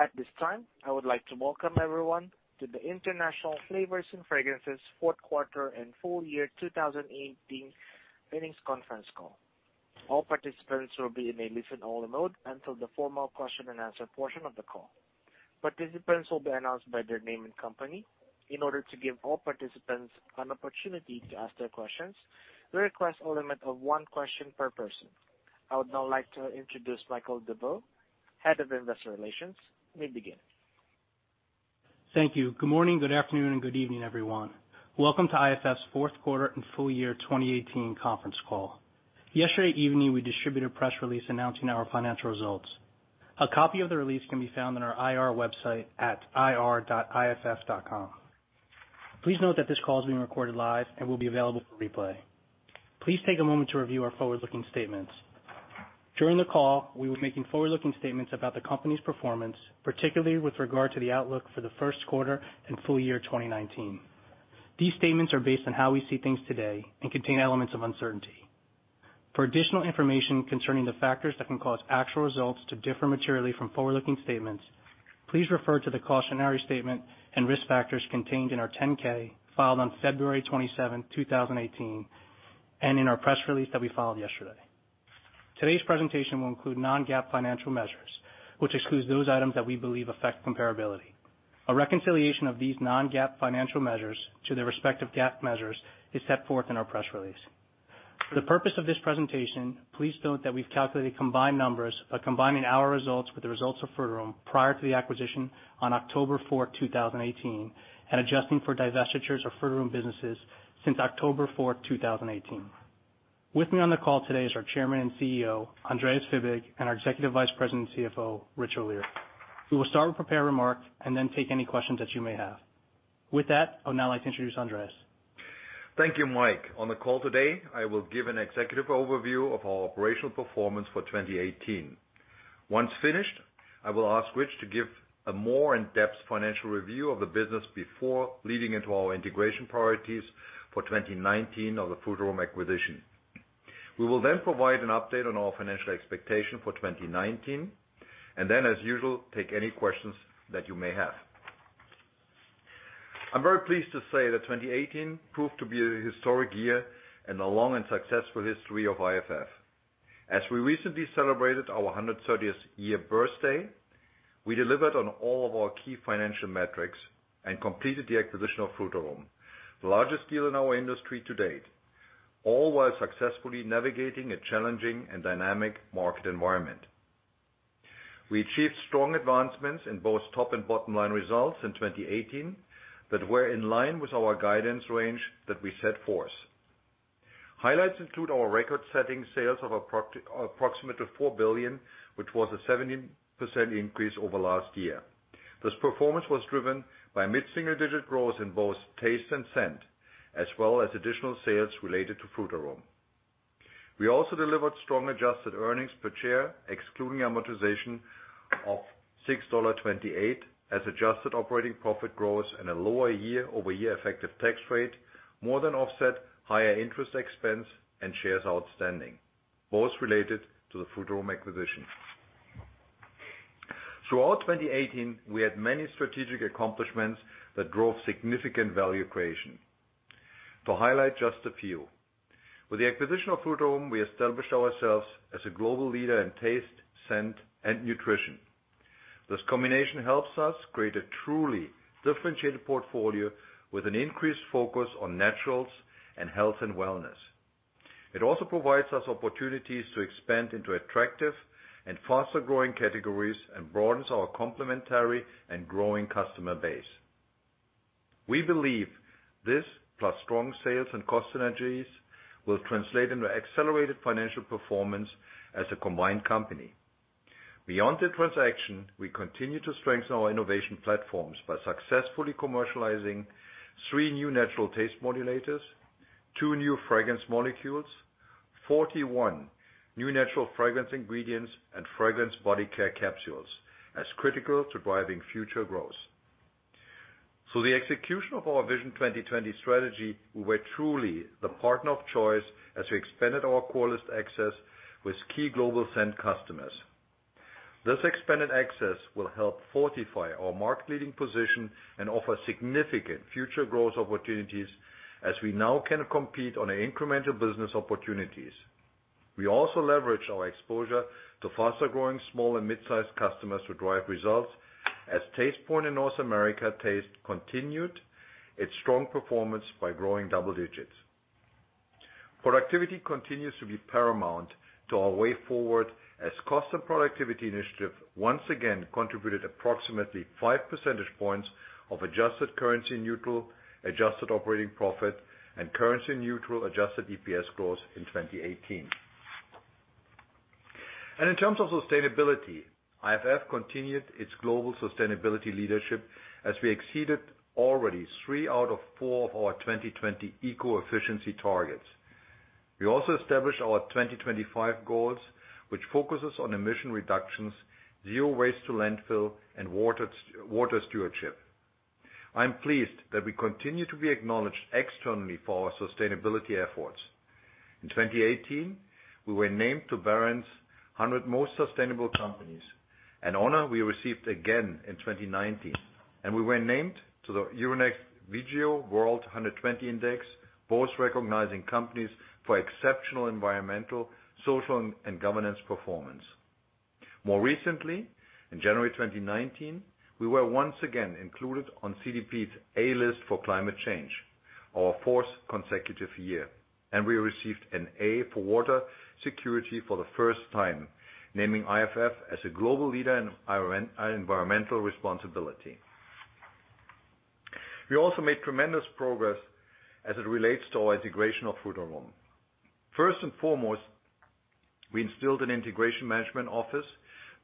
At this time, I would like to welcome everyone to the International Flavors & Fragrances fourth quarter and full year 2018 earnings conference call. All participants will be in a listen-only mode until the formal question and answer portion of the call. Participants will be announced by their name and company. In order to give all participants an opportunity to ask their questions, we request a limit of one question per person. I would now like to introduce Michael DeVeau, Head of Investor Relations. You may begin. Thank you. Good morning, good afternoon, and good evening, everyone. Welcome to IFF's fourth quarter and full year 2018 conference call. Yesterday evening, we distributed a press release announcing our financial results. A copy of the release can be found on our IR website at ir.iff.com. Please note that this call is being recorded live and will be available for replay. Please take a moment to review our forward-looking statements. During the call, we will be making forward-looking statements about the company's performance, particularly with regard to the outlook for the first quarter and full year 2019. These statements are based on how we see things today and contain elements of uncertainty. For additional information concerning the factors that can cause actual results to differ materially from forward-looking statements, please refer to the cautionary statement and risk factors contained in our 10-K filed on February 27, 2018, and in our press release that we filed yesterday. Today's presentation will include non-GAAP financial measures, which excludes those items that we believe affect comparability. A reconciliation of these non-GAAP financial measures to their respective GAAP measures is set forth in our press release. For the purpose of this presentation, please note that we've calculated combined numbers by combining our results with the results of Frutarom prior to the acquisition on October 4, 2018, and adjusting for divestitures of Frutarom businesses since October 4, 2018. With me on the call today is our Chairman and CEO, Andreas Fibig, and our Executive Vice President and CFO, Richard O'Leary. We will start with prepared remarks and then take any questions that you may have. With that, I would now like to introduce Andreas. Thank you, Mike. On the call today, I will give an executive overview of our operational performance for 2018. Once finished, I will ask Rich to give a more in-depth financial review of the business before leading into our integration priorities for 2019 of the Frutarom acquisition. We will then provide an update on our financial expectation for 2019. As usual, take any questions that you may have. I'm very pleased to say that 2018 proved to be a historic year in the long and successful history of IFF. As we recently celebrated our 130th year birthday, we delivered on all of our key financial metrics and completed the acquisition of Frutarom, the largest deal in our industry to date, all while successfully navigating a challenging and dynamic market environment. We achieved strong advancements in both top and bottom-line results in 2018 that were in line with our guidance range that we set forth. Highlights include our record-setting sales of approximate of $4 billion, which was a 17% increase over last year. This performance was driven by mid-single-digit growth in both taste and scent, as well as additional sales related to Frutarom. We also delivered strong adjusted earnings per share, excluding amortization of $6.28, as adjusted operating profit growth and a lower year-over-year effective tax rate more than offset higher interest expense and shares outstanding, both related to the Frutarom acquisition. Throughout 2018, we had many strategic accomplishments that drove significant value creation. To highlight just a few: with the acquisition of Frutarom, we established ourselves as a global leader in taste, scent, and nutrition. This combination helps us create a truly differentiated portfolio with an increased focus on naturals and health and wellness. It also provides us opportunities to expand into attractive and faster-growing categories and broadens our complementary and growing customer base. We believe this, plus strong sales and cost synergies, will translate into accelerated financial performance as a combined company. Beyond the transaction, we continue to strengthen our innovation platforms by successfully commercializing three new natural taste modulators, two new fragrance molecules, 41 new natural fragrance ingredients, and fragrance body care capsules as critical to driving future growth. Through the execution of our Vision 2020 strategy, we were truly the partner of choice as we expanded our core list access with key global scent customers. This expanded access will help fortify our market-leading position and offer significant future growth opportunities as we now can compete on incremental business opportunities. We also leverage our exposure to faster-growing small and mid-sized customers to drive results as Tastepoint in North America taste continued its strong performance by growing double digits. Productivity continues to be paramount to our way forward as cost and productivity initiative once again contributed approximately five percentage points of adjusted currency neutral, adjusted operating profit, and currency neutral adjusted EPS growth in 2018. In terms of sustainability, IFF continued its global sustainability leadership as we exceeded already three out of four of our 2020 eco-efficiency targets. We also established our 2025 goals, which focuses on emission reductions, zero waste to landfill, and water stewardship. I'm pleased that we continue to be acknowledged externally for our sustainability efforts. In 2018, we were named to Barron's 100 Most Sustainable Companies, an honor we received again in 2019, and we were named to the Euronext Vigeo World 120 Index, both recognizing companies for exceptional environmental, social, and governance performance. More recently, in January 2019, we were once again included on CDP's A List for climate change, our fourth consecutive year, and we received an A for water security for the first time, naming IFF as a global leader in environmental responsibility. We also made tremendous progress as it relates to our integration of Frutarom. First and foremost, we instilled an integration management office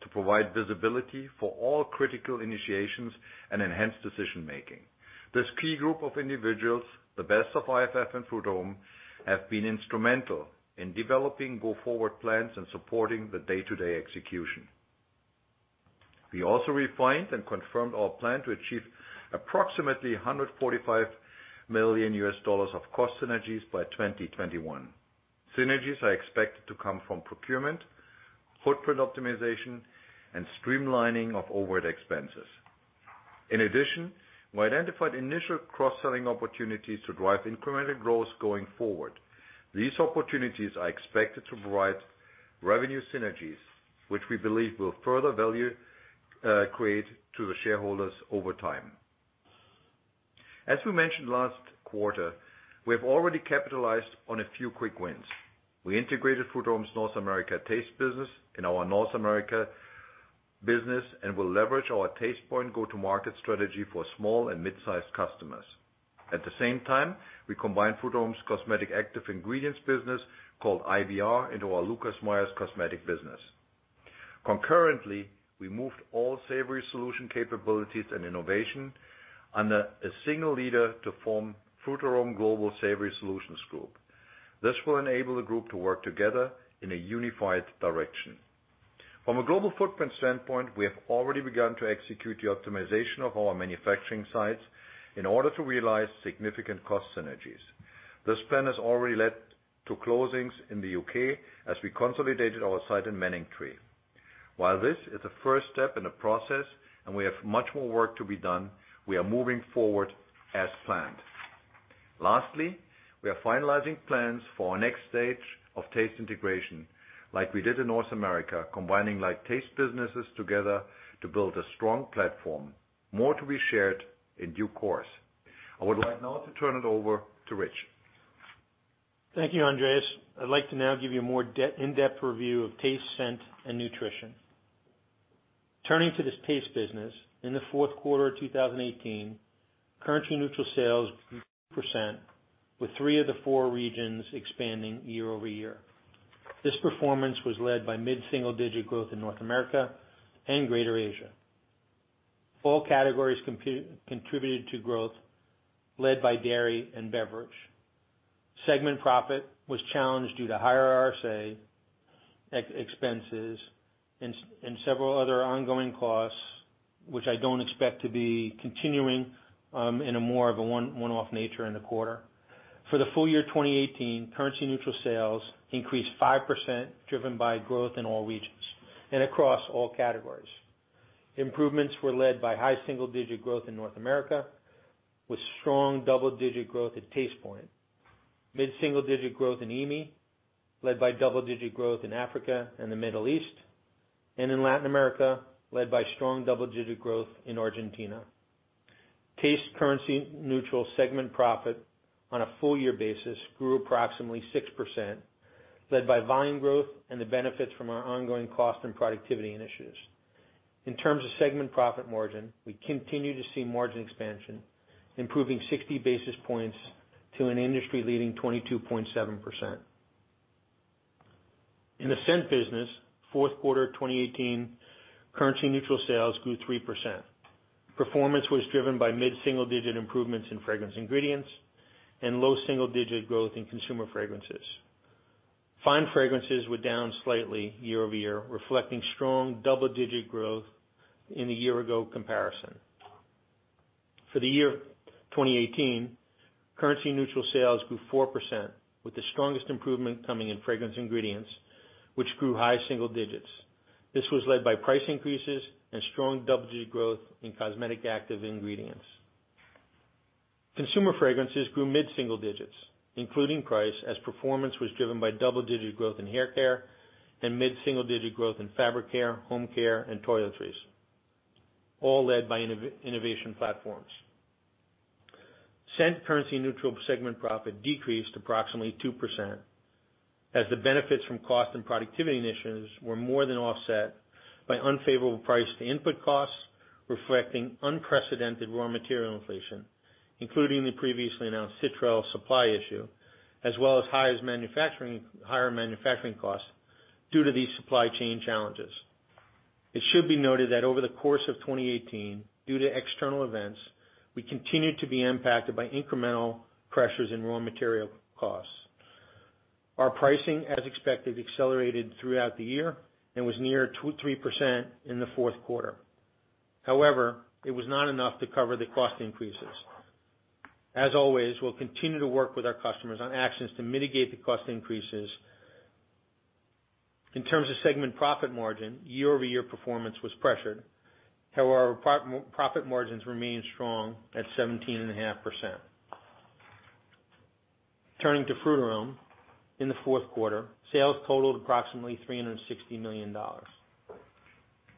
to provide visibility for all critical initiations and enhance decision-making. This key group of individuals, the best of IFF and Frutarom, have been instrumental in developing go-forward plans and supporting the day-to-day execution. We also refined and confirmed our plan to achieve approximately $145 million of cost synergies by 2021. Synergies are expected to come from procurement, footprint optimization, and streamlining of overhead expenses. In addition, we identified initial cross-selling opportunities to drive incremental growth going forward. These opportunities are expected to provide revenue synergies, which we believe will further value create to the shareholders over time. As we mentioned last quarter, we have already capitalized on a few quick wins. We integrated Frutarom's North America taste business in our North America business and will leverage our Tastepoint go-to-market strategy for small and mid-sized customers. At the same time, we combined Frutarom's cosmetic active ingredients business, called IBR, into our Lucas Meyer cosmetic business. Concurrently, we moved all savory solution capabilities and innovation under a single leader to form Frutarom Global Savory Solutions Group. This will enable the group to work together in a unified direction. From a global footprint standpoint, we have already begun to execute the optimization of our manufacturing sites in order to realize significant cost synergies. This plan has already led to closings in the U.K. as we consolidated our site in Manningtree. While this is the first step in the process and we have much more work to be done, we are moving forward as planned. Lastly, we are finalizing plans for our next stage of taste integration like we did in North America, combining like taste businesses together to build a strong platform. More to be shared in due course. I would like now to turn it over to Rich. Thank you, Andreas. I'd like to now give you a more in-depth review of taste, scent, and nutrition. Turning to this taste business, in the fourth quarter of 2018, currency-neutral sales grew 3%, with three of the four regions expanding year-over-year. This performance was led by mid-single-digit growth in North America and Greater Asia. All categories contributed to growth led by dairy and beverage. Segment profit was challenged due to higher RS&A expenses and several other ongoing costs, which I don't expect to be continuing in a more of a one-off nature in the quarter. For the full year 2018, currency-neutral sales increased 5%, driven by growth in all regions and across all categories. Improvements were led by high single-digit growth in North America, with strong double-digit growth at Tastepoint, mid-single-digit growth in EAME, led by double-digit growth in Africa and the Middle East, and in Latin America, led by strong double-digit growth in Argentina. Taste currency-neutral segment profit on a full year basis grew approximately 6%, led by volume growth and the benefits from our ongoing cost and productivity initiatives. In terms of segment profit margin, we continue to see margin expansion, improving 60 basis points to an industry-leading 22.7%. In the scent business, fourth quarter 2018 currency-neutral sales grew 3%. Performance was driven by mid-single-digit improvements in fragrance ingredients and low single-digit growth in consumer fragrances. Fine fragrances were down slightly year-over-year, reflecting strong double-digit growth in the year ago comparison. For the year 2018, currency-neutral sales grew 4%, with the strongest improvement coming in fragrance ingredients, which grew high single digits. This was led by price increases and strong double-digit growth in cosmetic active ingredients. Consumer fragrances grew mid-single digits, including price, as performance was driven by double-digit growth in hair care and mid-single-digit growth in fabric care, home care, and toiletries, all led by innovation platforms. Scent currency-neutral segment profit decreased approximately 2% as the benefits from cost and productivity initiatives were more than offset by unfavorable price to input costs, reflecting unprecedented raw material inflation, including the previously announced citral supply issue, as well as higher manufacturing costs due to these supply chain challenges. It should be noted that over the course of 2018, due to external events, we continued to be impacted by incremental pressures in raw material costs. Our pricing, as expected, accelerated throughout the year and was near 23% in the fourth quarter. It was not enough to cover the cost increases. As always, we'll continue to work with our customers on actions to mitigate the cost increases. In terms of segment profit margin, year-over-year performance was pressured. Our profit margins remained strong at 17.5%. Turning to Frutarom. In the fourth quarter, sales totaled approximately $360 million.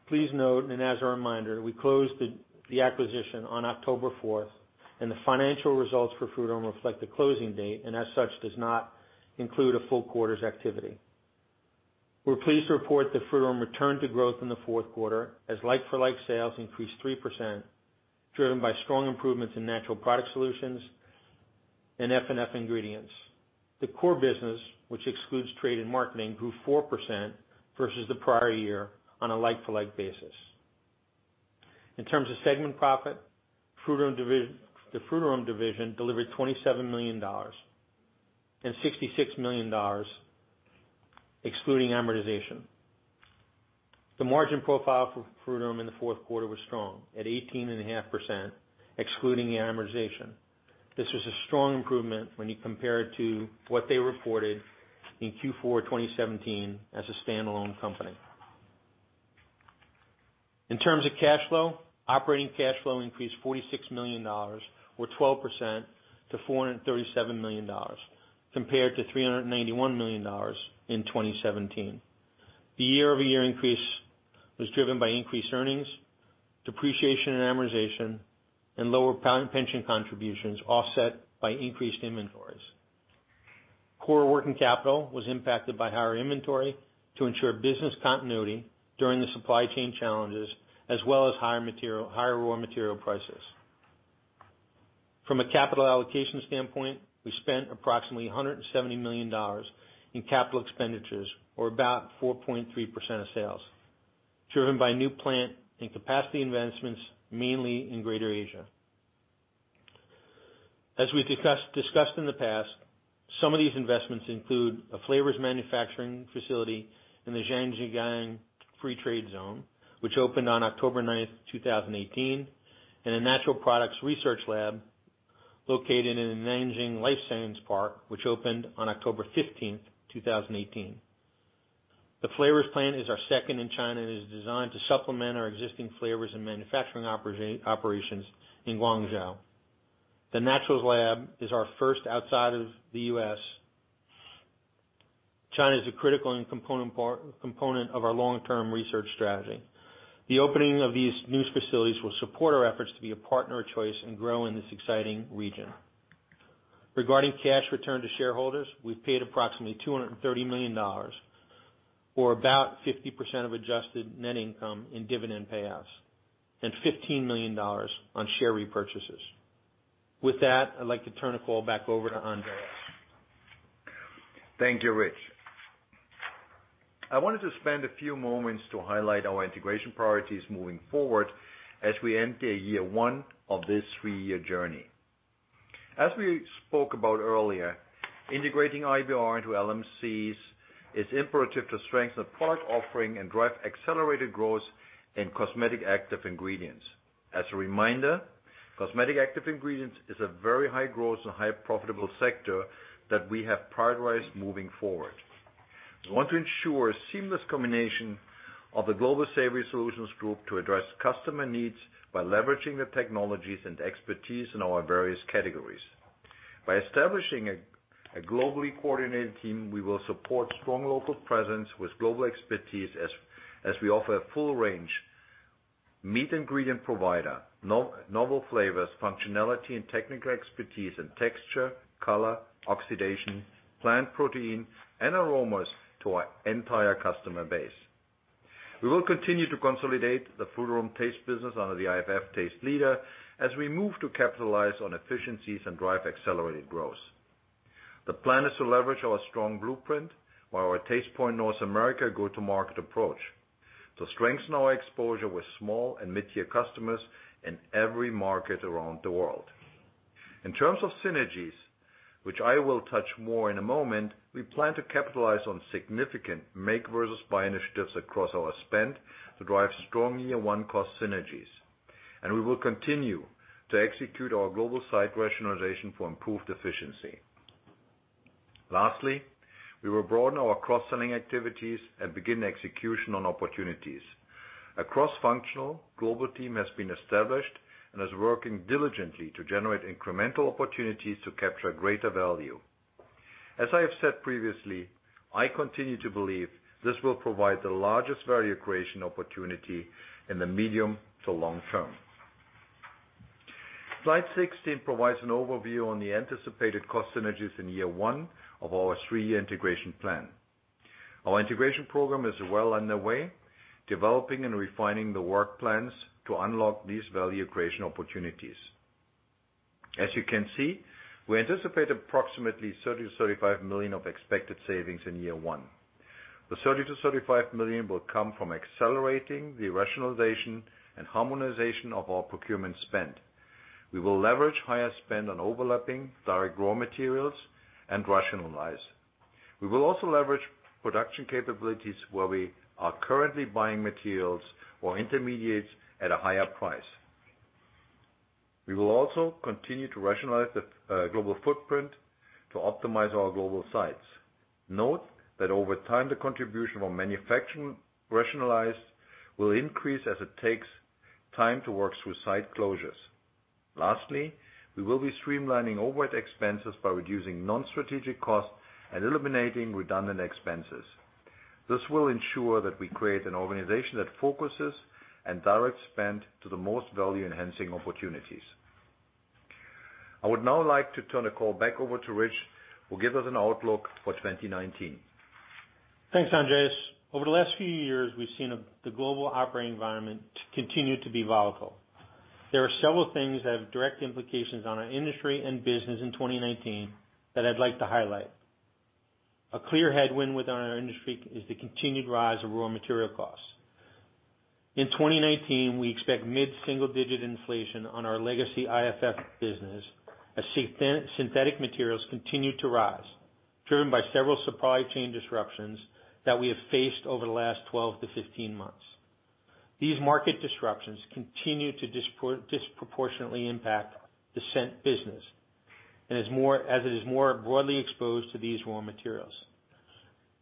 Please note, and as a reminder, we closed the acquisition on October 4th, and the financial results for Frutarom reflect the closing date, and as such, does not include a full quarter's activity. We're pleased to report that Frutarom returned to growth in the fourth quarter, as like-for-like sales increased 3%, driven by strong improvements in natural product solutions and F&F ingredients. The core business, which excludes trade and marketing, grew 4% versus the prior year on a like-for-like basis. In terms of segment profit, the Frutarom division delivered $27 million and $66 million excluding amortization. The margin profile for Frutarom in the fourth quarter was strong at 18.5%, excluding the amortization. This was a strong improvement when you compare it to what they reported in Q4 2017 as a standalone company. In terms of cash flow, operating cash flow increased $46 million or 12% to $437 million compared to $391 million in 2017. The year-over-year increase was driven by increased earnings, depreciation and amortization, and lower pension contributions offset by increased inventories. Core working capital was impacted by higher inventory to ensure business continuity during the supply chain challenges, as well as higher raw material prices. From a capital allocation standpoint, we spent approximately $170 million in capital expenditures or about 4.3% of sales, driven by new plant and capacity investments, mainly in Greater Asia. As we discussed in the past, some of these investments include a flavors manufacturing facility in the Zhangjiagang Free Trade Zone, which opened on October 9th, 2018, and a natural products research lab located in Nanjing Life Science Park, which opened on October 15th, 2018. The flavors plant is our second in China and is designed to supplement our existing flavors and manufacturing operations in Guangzhou. The Naturals lab is our first outside of the U.S. China is a critical component of our long-term research strategy. The opening of these new facilities will support our efforts to be a partner of choice and grow in this exciting region. Regarding cash return to shareholders, we've paid approximately $230 million, or about 50% of adjusted net income in dividend payouts and $15 million on share repurchases. With that, I'd like to turn the call back over to Andreas. Thank you, Rich. I wanted to spend a few moments to highlight our integration priorities moving forward as we empty a year one of this three-year journey. As we spoke about earlier, integrating IBR into LMC is imperative to strengthen the product offering and drive accelerated growth in cosmetic active ingredients. As a reminder, cosmetic active ingredients is a very high growth and high profitable sector that we have prioritized moving forward. We want to ensure a seamless combination of the Global Savory Solutions Group to address customer needs by leveraging the technologies and expertise in our various categories. By establishing a globally coordinated team, we will support strong local presence with global expertise as we offer a full range meat ingredient provider, novel flavors, functionality, and technical expertise in texture, color, oxidation, plant protein, and aromas to our entire customer base. We will continue to consolidate the Frutarom taste business under the IFF taste leader as we move to capitalize on efficiencies and drive accelerated growth. The plan is to leverage our strong blueprint while our Tastepoint North America go-to-market approach to strengthen our exposure with small and mid-tier customers in every market around the world. In terms of synergies, which I will touch more in a moment, we plan to capitalize on significant make versus buy initiatives across our spend to drive strong year one cost synergies. We will continue to execute our global site rationalization for improved efficiency. Lastly, we will broaden our cross-selling activities and begin execution on opportunities. A cross-functional global team has been established and is working diligently to generate incremental opportunities to capture greater value. As I have said previously, I continue to believe this will provide the largest value creation opportunity in the medium to long term. Slide 16 provides an overview on the anticipated cost synergies in year one of our three-year integration plan. Our integration program is well underway, developing and refining the work plans to unlock these value creation opportunities. As you can see, we anticipate approximately $30 million to $35 million of expected savings in year one. The $30 million to $35 million will come from accelerating the rationalization and harmonization of our procurement spend. We will leverage higher spend on overlapping direct raw materials and rationalize. We will also leverage production capabilities where we are currently buying materials or intermediates at a higher price. We will also continue to rationalize the global footprint to optimize our global sites. Note that over time, the contribution from manufacturing rationalization will increase as it takes time to work through site closures. Lastly, we will be streamlining overhead expenses by reducing non-strategic costs and eliminating redundant expenses. This will ensure that we create an organization that focuses and directs spend to the most value-enhancing opportunities. I would now like to turn the call back over to Rich, who will give us an outlook for 2019. Thanks, Andreas. Over the last few years, we've seen the global operating environment continue to be volatile. There are several things that have direct implications on our industry and business in 2019 that I'd like to highlight. A clear headwind within our industry is the continued rise of raw material costs. In 2019, we expect mid-single-digit inflation on our legacy IFF business as synthetic materials continue to rise, driven by several supply chain disruptions that we have faced over the last 12 to 15 months. These market disruptions continue to disproportionately impact the scent business, as it is more broadly exposed to these raw materials.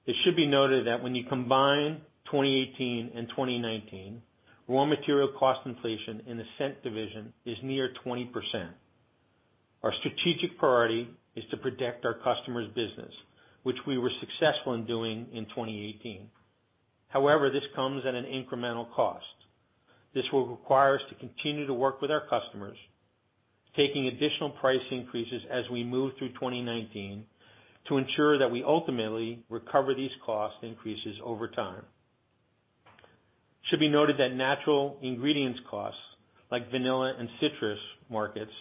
It should be noted that when you combine 2018 and 2019, raw material cost inflation in the scent division is near 20%. Our strategic priority is to protect our customers' business, which we were successful in doing in 2018. This comes at an incremental cost. This will require us to continue to work with our customers, taking additional price increases as we move through 2019 to ensure that we ultimately recover these cost increases over time. It should be noted that natural ingredients costs, like vanilla and citrus markets,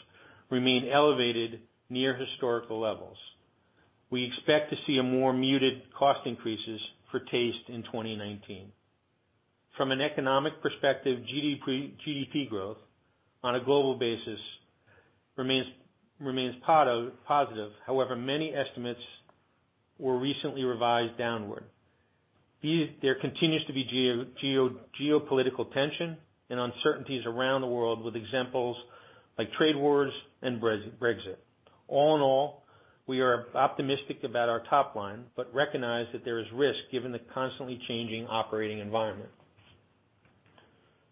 remain elevated near historical levels. We expect to see more muted cost increases for taste in 2019. From an economic perspective, GDP growth on a global basis remains positive. Many estimates were recently revised downward. There continues to be geopolitical tension and uncertainties around the world, with examples like trade wars and Brexit. All in all, we are optimistic about our top line but recognize that there is risk given the constantly changing operating environment.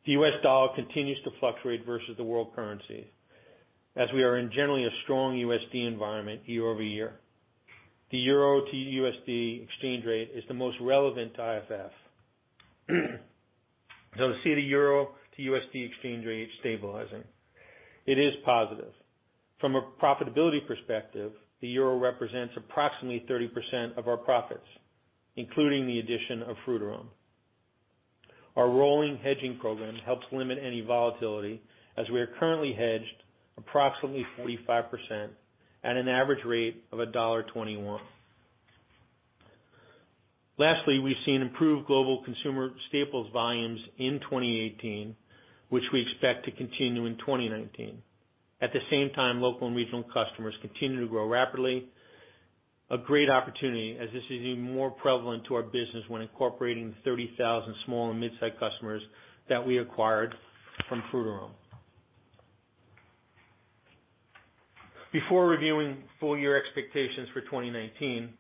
The U.S. dollar continues to fluctuate versus the world currency as we are in generally a strong USD environment year-over-year. The euro to USD exchange rate is the most relevant to IFF. Though we see the euro to USD exchange rate stabilizing, it is positive. From a profitability perspective, the euro represents approximately 30% of our profits, including the addition of Frutarom. Our rolling hedging program helps limit any volatility, as we are currently hedged approximately 45% at an average rate of $1.21. Lastly, we've seen improved global consumer staples volumes in 2018, which we expect to continue in 2019. At the same time, local and regional customers continue to grow rapidly. A great opportunity, as this is even more prevalent to our business when incorporating 30,000 small and midsize customers that we acquired from Frutarom. Before reviewing full year expectations for 2019,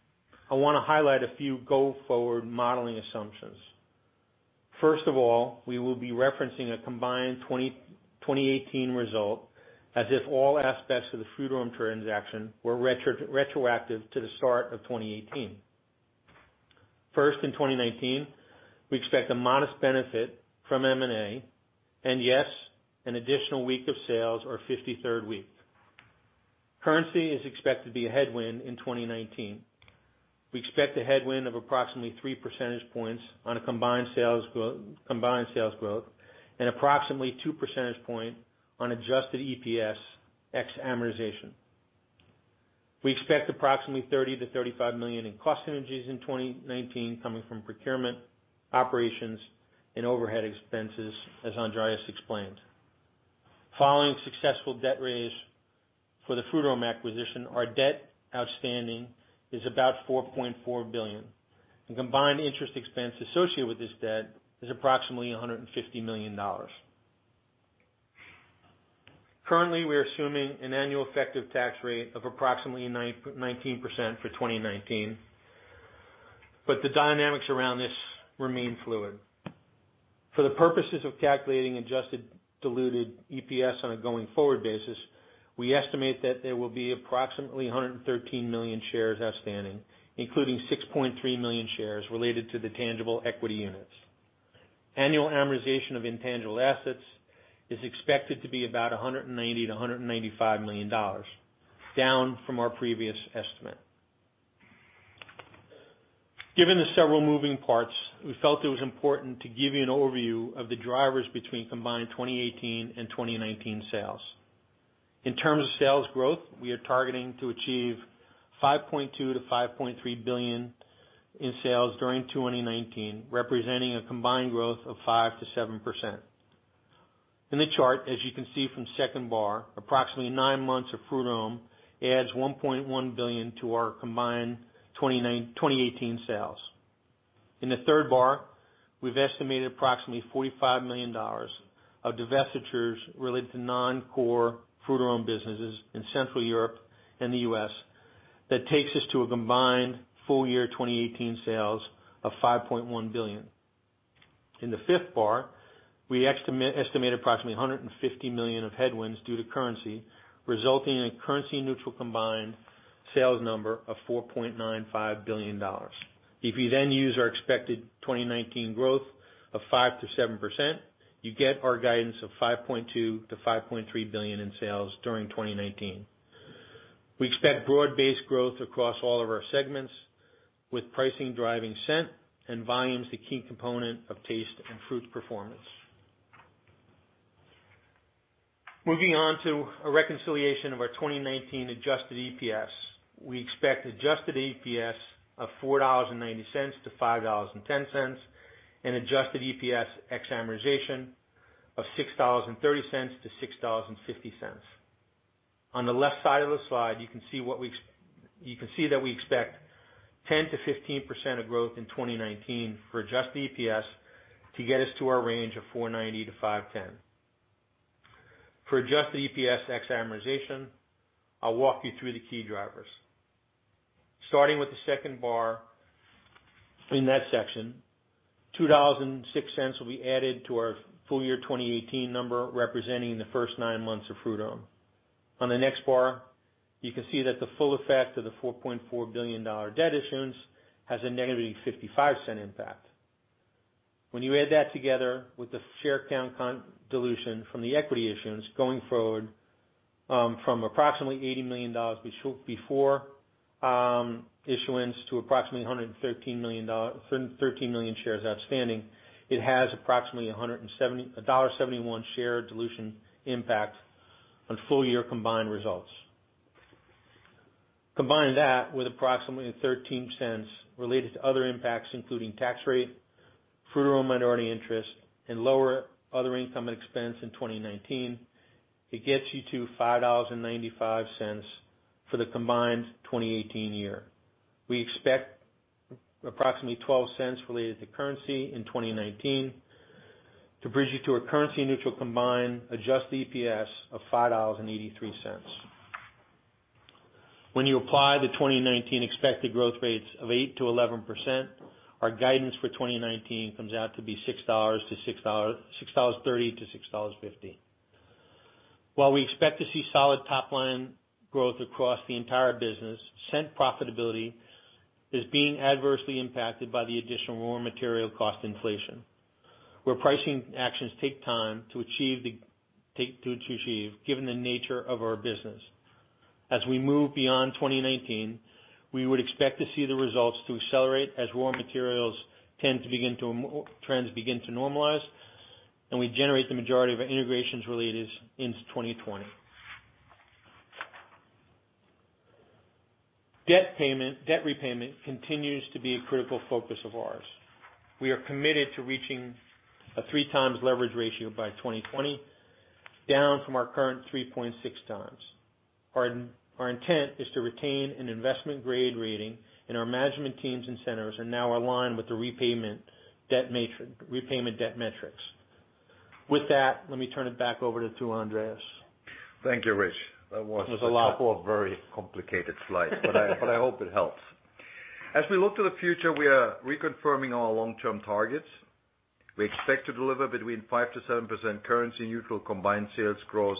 I want to highlight a few go-forward modeling assumptions. First of all, we will be referencing a combined 2018 result as if all aspects of the Frutarom transaction were retroactive to the start of 2018. First, in 2019, we expect a modest benefit from M&A, and yes, an additional week of sales or 53rd week. Currency is expected to be a headwind in 2019. We expect a headwind of approximately three percentage points on a combined sales growth and approximately two percentage points on adjusted EPS ex-amortization. We expect approximately $30 million to $35 million in cost synergies in 2019 coming from procurement, operations, and overhead expenses, as Andreas explained. Following successful debt raise for the Frutarom acquisition, our debt outstanding is about $4.4 billion. The combined interest expense associated with this debt is approximately $150 million. Currently, we are assuming an annual effective tax rate of approximately 19% for 2019, but the dynamics around this remain fluid. For the purposes of calculating adjusted diluted EPS on a going-forward basis, we estimate that there will be approximately 113 million shares outstanding, including 6.3 million shares related to the tangible equity units. Annual amortization of intangible assets is expected to be about $190 million to $195 million, down from our previous estimate. Given the several moving parts, we felt it was important to give you an overview of the drivers between combined 2018 and 2019 sales. In terms of sales growth, we are targeting to achieve $5.2 billion to $5.3 billion in sales during 2019, representing a combined growth of 5%-7%. In the chart, as you can see from second bar, approximately nine months of Frutarom adds $1.1 billion to our combined 2018 sales. In the third bar, we've estimated approximately $45 million of divestitures related to non-core Frutarom businesses in Central Europe and the U.S. that takes us to a combined full year 2018 sales of $5.1 billion. In the fifth bar, we estimate approximately $150 million of headwinds due to currency, resulting in a currency neutral combined sales number of $4.95 billion. If you use our expected 2019 growth of 5%-7%, you get our guidance of $5.2 billion to $5.3 billion in sales during 2019. We expect broad-based growth across all of our segments, with pricing driving scent and volumes, the key component of taste and Frutarom performance. Moving on to a reconciliation of our 2019 adjusted EPS. We expect adjusted EPS of $4.90-$5.10 and adjusted EPS ex-amortization of $6.30-$6.50. On the left side of the slide, you can see that we expect 10%-15% of growth in 2019 for adjusted EPS to get us to our range of $4.90-$5.10. For adjusted EPS ex-amortization, I'll walk you through the key drivers. Starting with the second bar in that section, $2.06 will be added to our full year 2018 number, representing the first nine months of Frutarom. On the next bar, you can see that the full effect of the $4.4 billion debt issuance has a negative $0.55 impact. When you add that together with the share count dilution from the equity issuance going forward, from approximately $80 million before issuance to approximately 113 million shares outstanding, it has approximately $1.71 share dilution impact on full year combined results. Combine that with approximately $0.13 related to other impacts, including tax rate, Frutarom minority interest, and lower other income expense in 2019, it gets you to $5.95 for the combined 2018 year. We expect approximately $0.12 related to currency in 2019 to bridge you to a currency neutral combined adjusted EPS of $5.83. When you apply the 2019 expected growth rates of 8%-11%, our guidance for 2019 comes out to be $6.30-$6.50. While we expect to see solid top-line growth across the entire business, scent profitability is being adversely impacted by the additional raw material cost inflation, where pricing actions take time to achieve, given the nature of our business. As we move beyond 2019, we would expect to see the results to accelerate as raw materials trends begin to normalize, and we generate the majority of our integrations related into 2020. Debt repayment continues to be a critical focus of ours. We are committed to reaching a three times leverage ratio by 2020, down from our current 3.6 times. Our intent is to retain an investment grade rating, and our management teams and centers are now aligned with the repayment debt metrics. With that, let me turn it back over to Andreas. Thank you, Rich. It was a lot A couple of very complicated slides, but I hope it helped. As we look to the future, we are reconfirming our long-term targets. We expect to deliver between 5%-7% currency neutral combined sales growth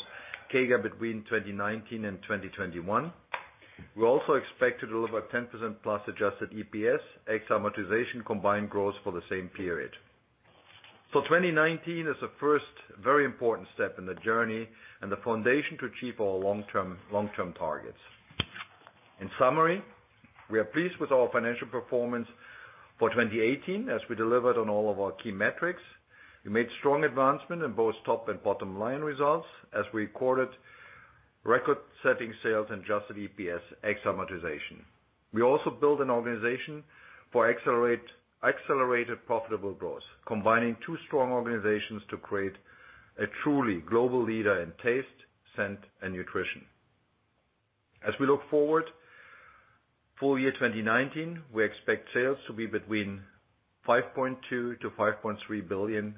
CAGR between 2019 and 2021. We also expect to deliver 10%+ adjusted EPS, ex-amortization combined growth for the same period. 2019 is the first very important step in the journey and the foundation to achieve our long-term targets. In summary, we are pleased with our financial performance for 2018, as we delivered on all of our key metrics. We made strong advancement in both top and bottom line results as we recorded record-setting sales and adjusted EPS ex-amortization. We also built an organization for accelerated profitable growth, combining two strong organizations to create a truly global leader in taste, scent, and nutrition. We look forward full year 2019, we expect sales to be between $5.2 billion-$5.3 billion,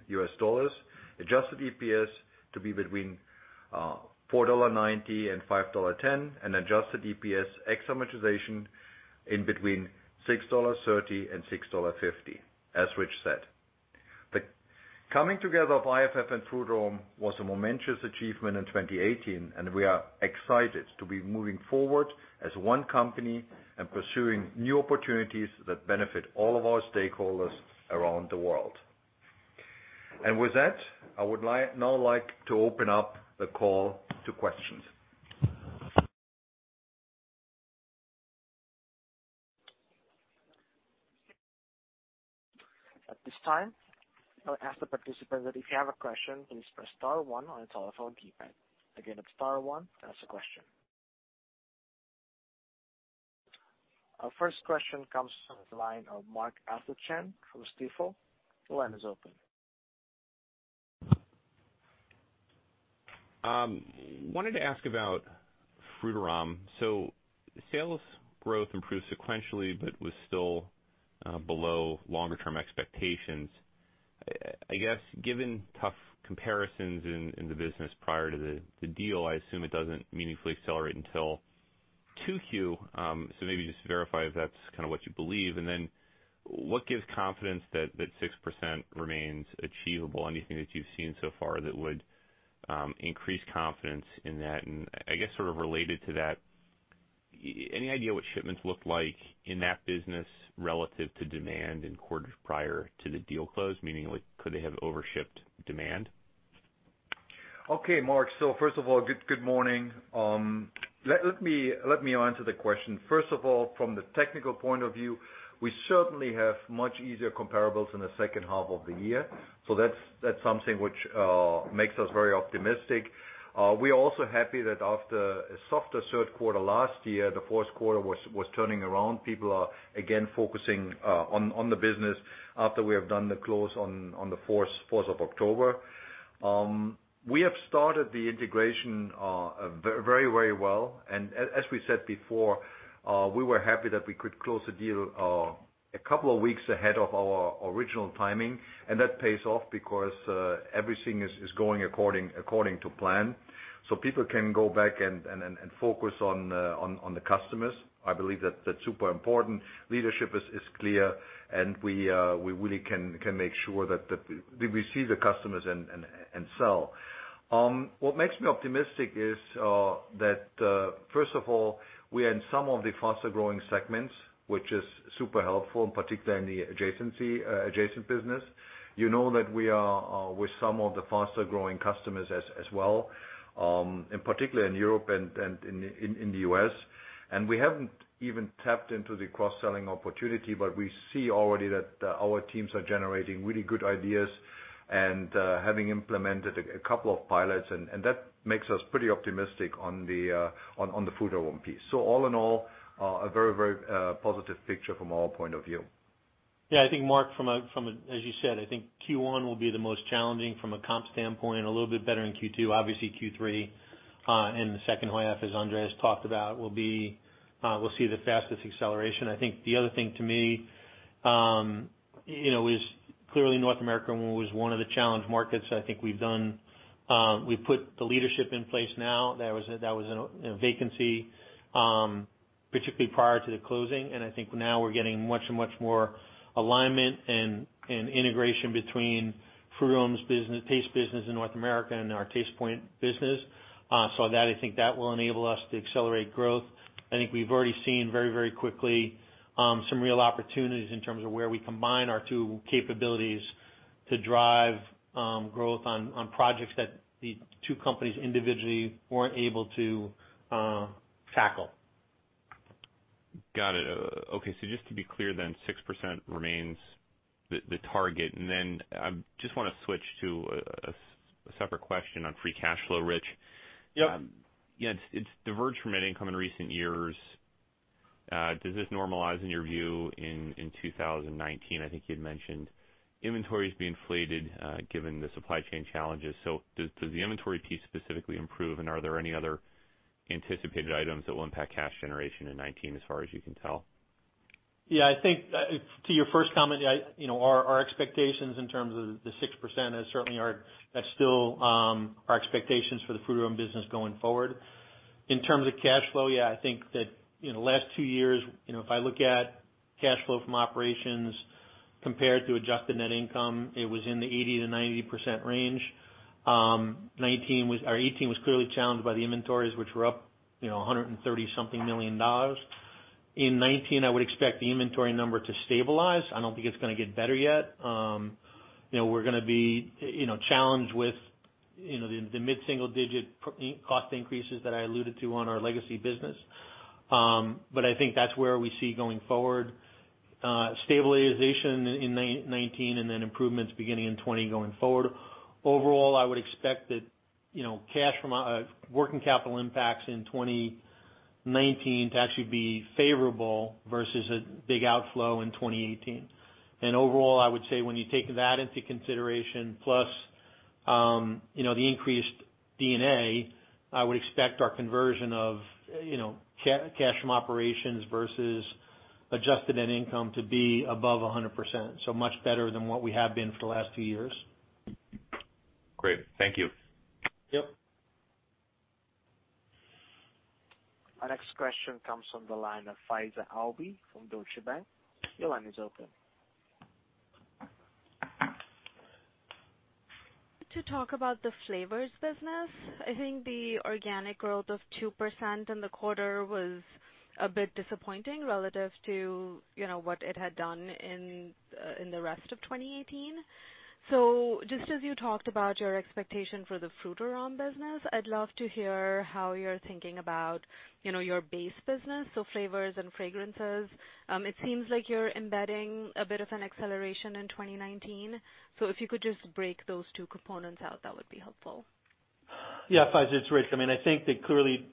adjusted EPS to be between $4.90 and $5.10, and adjusted EPS ex-amortization in between $6.30 and $6.50, as Rich said. The coming together of IFF and Frutarom was a momentous achievement in 2018, and we are excited to be moving forward as one company and pursuing new opportunities that benefit all of our stakeholders around the world. With that, I would now like to open up the call to questions. This time, I'll ask the participant that if you have a question, please press star one on your telephone keypad. Again, that's star one to ask a question. Our first question comes from the line of Mark Astrachan from Stifel. Your line is open. Wanted to ask about Frutarom. Sales growth improved sequentially but was still below longer-term expectations. Given tough comparisons in the business prior to the deal, I assume it doesn't meaningfully accelerate until 2Q. Maybe just verify if that's what you believe, and then what gives confidence that 6% remains achievable? Anything that you've seen so far that would increase confidence in that? Related to that, any idea what shipments looked like in that business relative to demand in quarters prior to the deal close? Meaning, could they have over-shipped demand? Okay, Mark. First of all, good morning. Let me answer the question. First of all, from the technical point of view, we certainly have much easier comparables in the second half of the year. That's something which makes us very optimistic. We are also happy that after a softer third quarter last year, the fourth quarter was turning around. People are again focusing on the business after we have done the close on the 4th of October. We have started the integration very, very well. As we said before, we were happy that we could close the deal a couple of weeks ahead of our original timing, and that pays off because everything is going according to plan. People can go back and focus on the customers. I believe that that's super important. Leadership is clear, and we really can make sure that we see the customers and sell. What makes me optimistic is that, first of all, we are in some of the faster-growing segments, which is super helpful, particularly in the adjacent business. You know that we are with some of the faster-growing customers as well, and particularly in Europe and in the U.S. We haven't even tapped into the cross-selling opportunity, but we see already that our teams are generating really good ideas and having implemented a couple of pilots, and that makes us pretty optimistic on the Frutarom piece. All in all, a very, very positive picture from our point of view. I think Mark, as you said, I think Q1 will be the most challenging from a comp standpoint. A little bit better in Q2. Obviously Q3, and the second half, as Andreas talked about, we'll see the fastest acceleration. I think the other thing to me is clearly North America was one of the challenge markets. I think we've put the leadership in place now. That was in a vacancy, particularly prior to the closing. I think now we're getting much more alignment and integration between Frutarom's Taste business in North America and our Tastepoint business. That, I think that will enable us to accelerate growth. I think we've already seen very, very quickly some real opportunities in terms of where we combine our two capabilities to drive growth on projects that the two companies individually weren't able to tackle. Got it. Just to be clear, 6% remains the target. I just want to switch to a separate question on free cash flow, Rich. Yep. Yeah. It's diverged from net income in recent years. Does this normalize, in your view, in 2019? I think you'd mentioned inventories being inflated given the supply chain challenges. Does the inventory piece specifically improve, and are there any other anticipated items that will impact cash generation in 2019, as far as you can tell? I think to your first comment, our expectations in terms of the 6% that's still our expectations for the Frutarom business going forward. In terms of cash flow, I think that in the last two years, if I look at cash flow from operations compared to adjusted net income, it was in the 80%-90% range. 2018 was clearly challenged by the inventories, which were up $130 something million. In 2019, I would expect the inventory number to stabilize. I don't think it's going to get better yet. We're going to be challenged with the mid-single digit cost increases that I alluded to on our legacy business. I think that's where we see going forward, stabilization in 2019 and then improvements beginning in 2020 going forward. Overall, I would expect that working capital impacts in 2019 to actually be favorable versus a big outflow in 2018. Overall, I would say when you take that into consideration, plus the increased D&A, I would expect our conversion of cash from operations versus adjusted net income to be above 100%, much better than what we have been for the last two years. Great. Thank you. Yep. Our next question comes from the line of Faiza Alwy from Deutsche Bank. Your line is open. To talk about the flavors business, I think the organic growth of 2% in the quarter was a bit disappointing relative to what it had done in the rest of 2018. Just as you talked about your expectation for the Frutarom business, I'd love to hear how you're thinking about your base business, so flavors and fragrances. It seems like you're embedding a bit of an acceleration in 2019. If you could just break those two components out, that would be helpful. Yeah. Faiza, it's Rich. I think that clearly,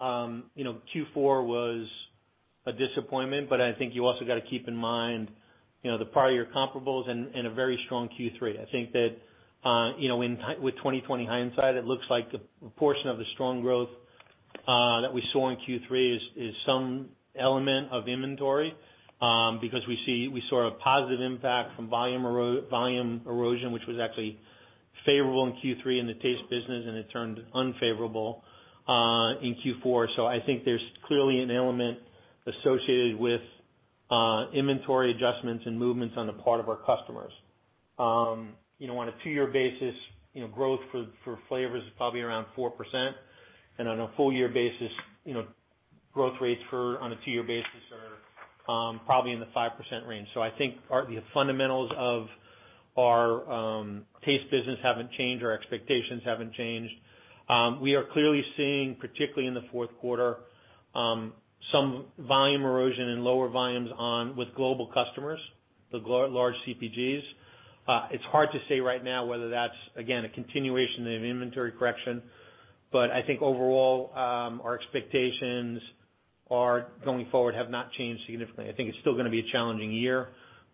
Q4 was a disappointment, but I think you also got to keep in mind, the prior year comparables and a very strong Q3. I think that, with 20/20 hindsight, it looks like a portion of the strong growth that we saw in Q3 is some element of inventory. Because we saw a positive impact from volume erosion, which was actually favorable in Q3 in the taste business, and it turned unfavorable in Q4. I think there's clearly an element associated with inventory adjustments and movements on the part of our customers. On a two-year basis, growth for flavors is probably around 4%. On a full-year basis, growth rates for, on a two-year basis are probably in the 5% range. I think the fundamentals of our taste business haven't changed. Our expectations haven't changed. We are clearly seeing, particularly in the fourth quarter, some volume erosion and lower volumes with global customers, the large CPGs. It's hard to say right now whether that's, again, a continuation of the inventory correction. I think overall, our expectations going forward have not changed significantly. I think it's still gonna be a challenging year,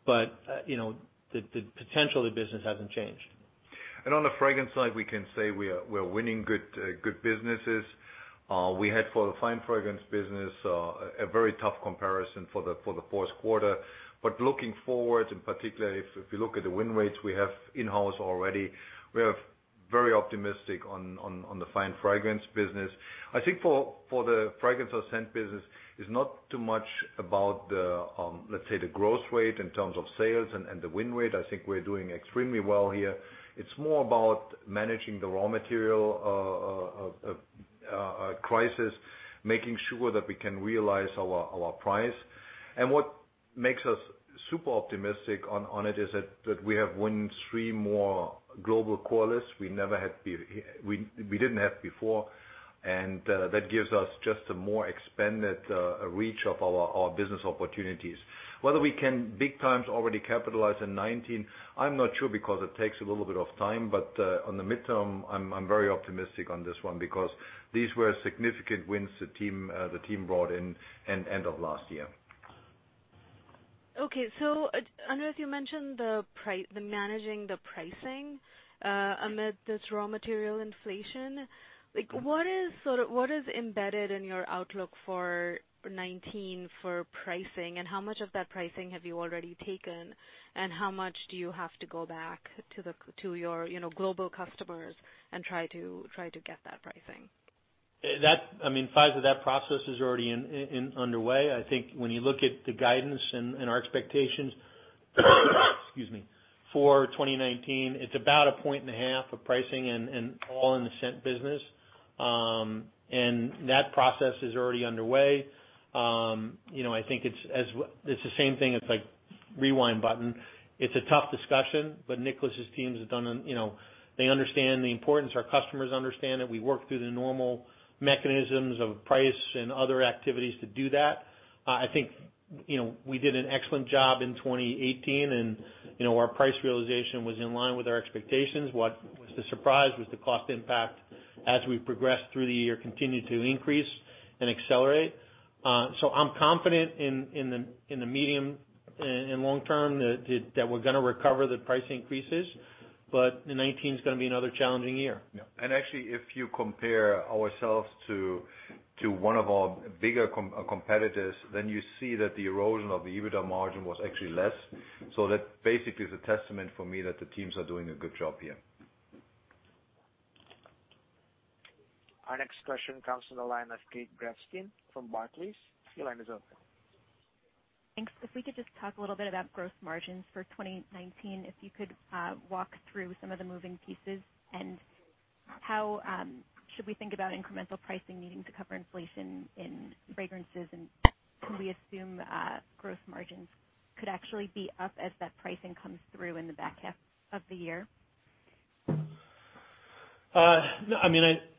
but the potential of the business hasn't changed. On the fragrance side, we can say we are winning good businesses. We had for the fine fragrance business, a very tough comparison for the first quarter. Looking forward, in particular if you look at the win rates we have in-house already, we are very optimistic on the fine fragrance business. I think for the fragrance scent business is not too much about the, let's say, the growth rate in terms of sales and the win rate. I think we're doing extremely well here. It's more about managing the raw material crisis, making sure that we can realize our price. What makes us super optimistic on it is that we have won three more global core lists we didn't have before. That gives us just a more expanded reach of our business opportunities. Whether we can big times already capitalize in 2019, I'm not sure, because it takes a little bit of time. On the midterm, I'm very optimistic on this one, because these were significant wins the team brought in end of last year. Okay. Andreas, you mentioned the managing the pricing amid this raw material inflation. What is embedded in your outlook for 2019 for pricing, how much of that pricing have you already taken? How much do you have to go back to your global customers and try to get that pricing? Faiza, that process is already underway. I think when you look at the guidance and our expectations excuse me, for 2019, it's about a point and a half of pricing and all in the scent business. That process is already underway. I think it's the same thing as like rewind button. It's a tough discussion, but Nicolas's teams, they understand the importance. Our customers understand it. We work through the normal mechanisms of price and other activities to do that. I think we did an excellent job in 2018 and our price realization was in line with our expectations. What was the surprise was the cost impact as we progressed through the year continued to increase and accelerate. I'm confident in the medium and long term that we're gonna recover the price increases, but 2019 is gonna be another challenging year. Yeah. Actually, if you compare ourselves to one of our bigger competitors, then you see that the erosion of the EBITDA margin was actually less. That basically is a testament for me that the teams are doing a good job here. Our next question comes from the line of Kate Grafstein from Barclays. Your line is open. Thanks. If we could just talk a little bit about gross margins for 2019, if you could walk through some of the moving pieces and how should we think about incremental pricing needing to cover inflation in fragrances, and can we assume gross margins could actually be up as that pricing comes through in the back half of the year?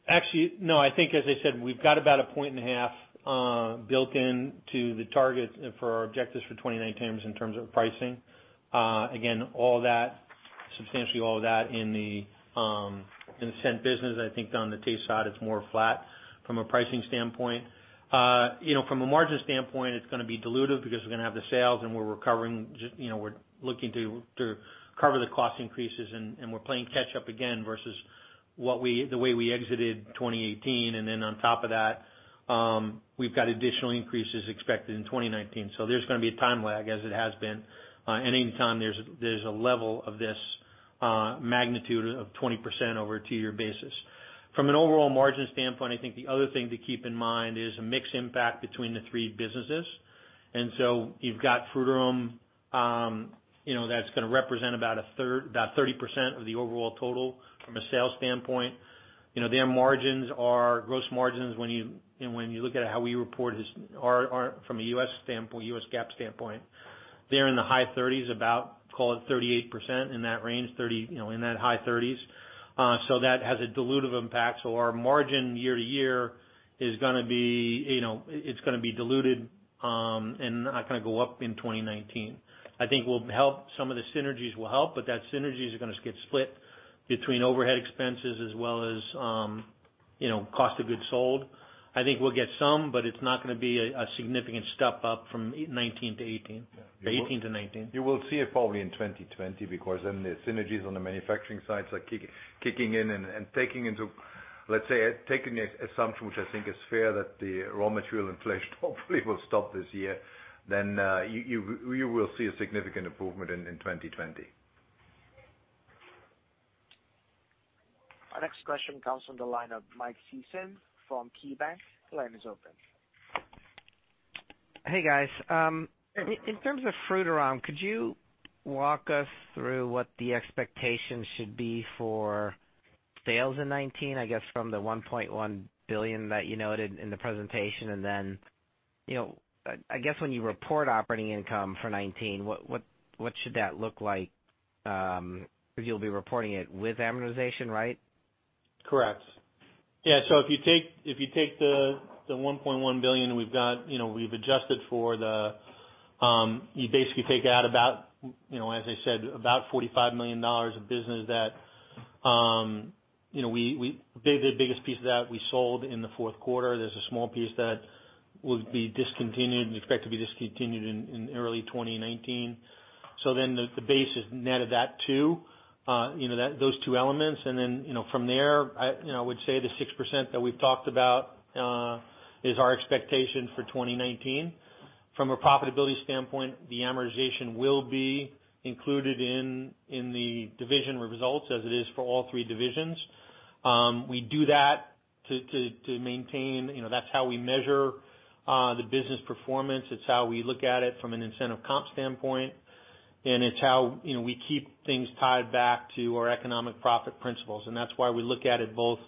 Actually, no. I think, as I said, we've got about a point and a half built into the target for our objectives for 2019 in terms of pricing. Substantially all of that in the scent business. I think on the taste side, it's more flat from a pricing standpoint. From a margin standpoint, it's going to be dilutive because we're going to have the sales and we're looking to cover the cost increases and we're playing catch up again versus the way we exited 2018. On top of that, we've got additional increases expected in 2019. There's going to be a time lag as it has been. Any time there's a level of this magnitude of 20% over a two-year basis. From an overall margin standpoint, I think the other thing to keep in mind is a mix impact between the three businesses. You've got Frutarom, that's going to represent about 30% of the overall total from a sales standpoint. Their margins are gross margins when you look at how we report from a U.S. GAAP standpoint. They're in the high 30s about, call it 38% in that range, in that high 30s. That has a dilutive impact. Our margin year to year, it's going to be diluted, and not going to go up in 2019. I think some of the synergies will help, that synergies are going to get split between overhead expenses as well as cost of goods sold. I think we'll get some, it's not going to be a significant step up from 2019 to 2018 or 2018 to 2019. You will see it probably in 2020 because then the synergies on the manufacturing side are kicking in, let's say, taking the assumption, which I think is fair, that the raw material inflation hopefully will stop this year. You will see a significant improvement in 2020. Our next question comes from the line of Michael Sison from KeyBanc. Your line is open. Hey, guys. In terms of Frutarom, could you walk us through what the expectations should be for sales in 2019, I guess, from the $1.1 billion that you noted in the presentation? When you report operating income for 2019, what should that look like? Because you'll be reporting it with amortization, right? Correct. Yeah. If you take the $1.1 billion we've got, we've adjusted for. You basically take out about, as I said, about $45 million of business that the biggest piece of that we sold in the fourth quarter. There's a small piece that will be discontinued and expect to be discontinued in early 2019. The base has netted that too, those two elements. From there, I would say the 6% that we've talked about, is our expectation for 2019. From a profitability standpoint, the amortization will be included in the division results as it is for all three divisions. We do that to maintain. That's how we measure the business performance. It's how we look at it from an incentive comp standpoint, and it's how we keep things tied back to our economic profit principles. That's why we look at it both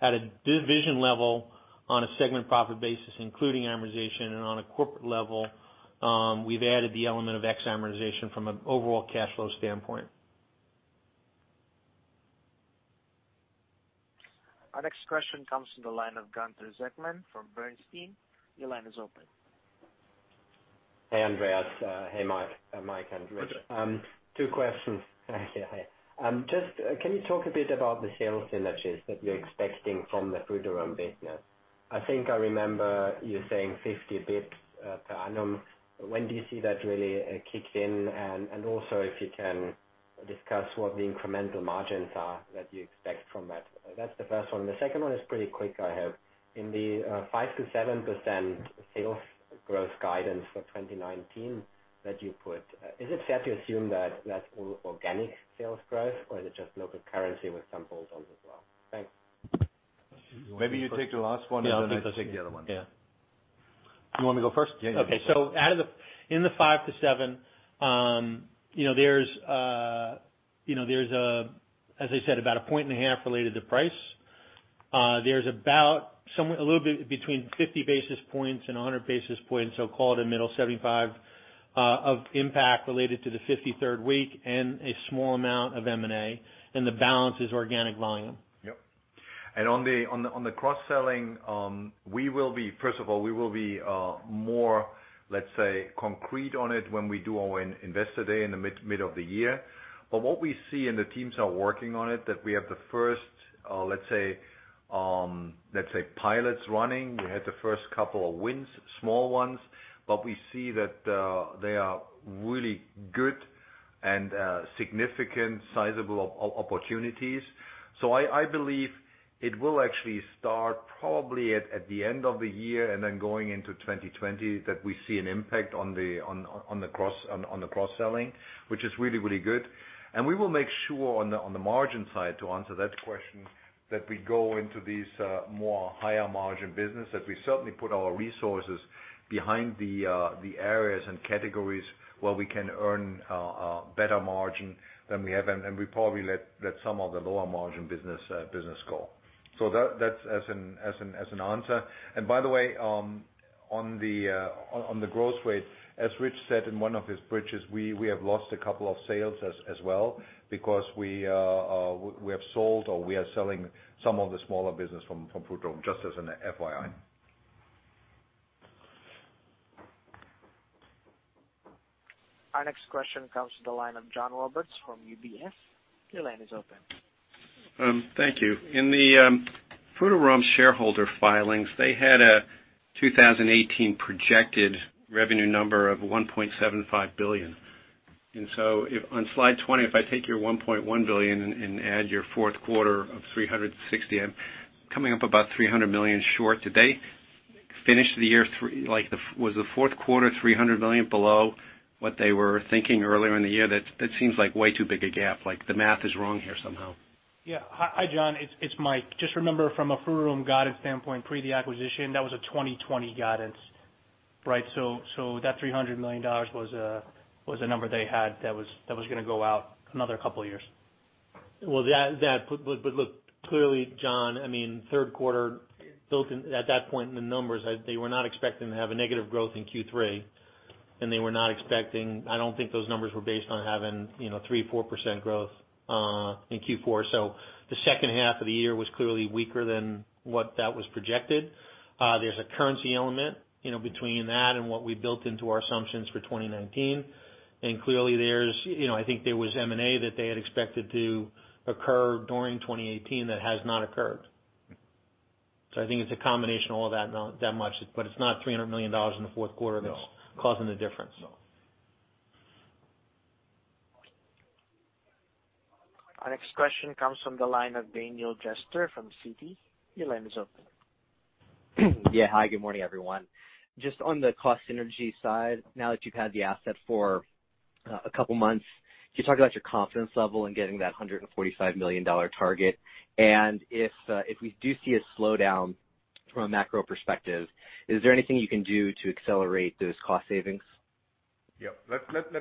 at a division level on a segment profit basis, including amortization, and on a corporate level. We've added the element of X amortization from an overall cash flow standpoint. Our next question comes from the line of Gunther Zechmann from Bernstein. Your line is open. Hey, Andreas. Hey, Mike and Rich. two questions, actually. Can you talk a bit about the sales synergies that you're expecting from the Frutarom business? I think I remember you saying 50 basis points per annum. When do you see that really kicked in? Also if you can discuss what the incremental margins are that you expect from that. That's the first one. The second one is pretty quick I have. In the 5%-7% sales growth guidance for 2019 that you put, is it fair to assume that that's all organic sales growth or is it just local currency with some bolt-ons as well? Thanks. Maybe you take the last one then I take the other one. Yeah. You want me to go first? Yeah, you go first. Okay. In the 5%-7%, there's, as I said, about a point and a half related to price. There's about a little bit between 50 basis points and 100 basis points, call it a middle 75, of impact related to the 53rd week and a small amount of M&A. The balance is organic volume. Yep. On the cross-selling, first of all, we will be more, let's say, concrete on it when we do our Investor Day in the mid of the year. What we see, and the teams are working on it, that we have the first let's say pilots running. We had the first couple of wins, small ones, we see that they are really good and significant sizable opportunities. I believe it will actually start probably at the end of the year and then going into 2020 that we see an impact on the cross-selling, which is really, really good. We will make sure on the margin side, to answer that question, that we go into these more higher margin business, that we certainly put our resources behind the areas and categories where we can earn a better margin than we have. We probably let some of the lower margin business go. That's as an answer. By the way, on the growth rate, as Rich said in one of his bridges, we have lost a couple of sales as well because we have sold or we are selling some of the smaller business from Frutarom, just as an FYI. Our next question comes to the line of John Roberts from UBS. Your line is open. Thank you. In the Frutarom shareholder filings, they had a 2018 projected revenue number of $1.75 billion. If on slide 20, if I take your $1.1 billion and add your fourth quarter of $360 million, I'm coming up about $300 million short. Did they finish the year, like was the fourth quarter $300 million below what they were thinking earlier in the year? That seems like way too big a gap. Like the math is wrong here somehow. Yeah. Hi, John, it's Mike. Just remember from a Frutarom guidance standpoint, pre the acquisition, that was a 2020 guidance, right? That $300 million was a number they had that was going to go out another couple of years. Well, look, clearly, John, third quarter built in at that point in the numbers, they were not expecting to have a negative growth in Q3, and they were not expecting I don't think those numbers were based on having 3%, 4% growth in Q4. The second half of the year was clearly weaker than what that was projected. There's a currency element between that and what we built into our assumptions for 2019. Clearly, I think there was M&A that they had expected to occur during 2018 that has not occurred. I think it's a combination of all that much, but it's not $300 million in the fourth quarter that's causing the difference. No. Our next question comes from the line of P.J. Juvekar from Citi. Your line is open. Yeah, hi, good morning, everyone. On the cost synergy side, now that you've had the asset for a couple of months, can you talk about your confidence level in getting that $145 million target? If we do see a slowdown from a macro perspective, is there anything you can do to accelerate those cost savings? Yeah. Let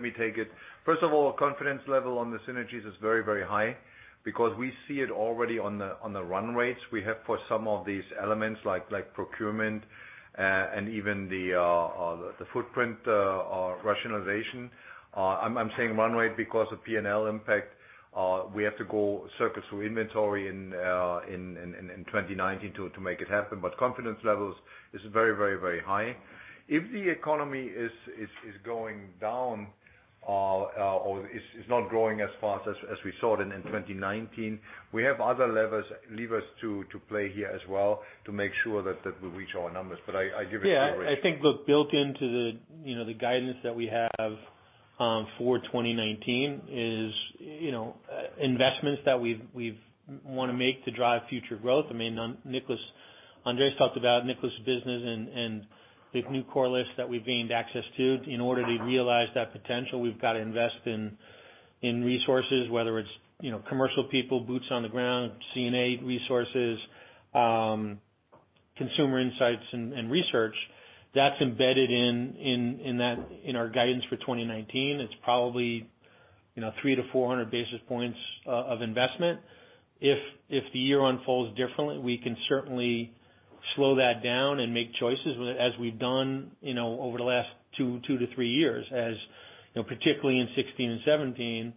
me take it. First of all, confidence level on the synergies is very high because we see it already on the run rates we have for some of these elements like procurement, and even the footprint rationalization. I'm saying run rate because of P&L impact. We have to go circus through inventory in 2019 to make it happen. Confidence levels is very high. If the economy is going down or is not growing as fast as we saw it in 2019, we have other levers to play here as well to make sure that we reach our numbers. I give it to you, Rich. Yeah, I think, look, built into the guidance that we have for 2019 is investments that we want to make to drive future growth. Andreas talked about Nicolas business and the new core list that we've gained access to. In order to realize that potential, we've got to invest in resources, whether it's commercial people, boots on the ground, CI&R resources, consumer insights and research. That's embedded in our guidance for 2019. It's probably 3 to 400 basis points of investment. If the year unfolds differently, we can certainly slow that down and make choices as we've done over the last two to three years. As particularly in 2016 and 2017,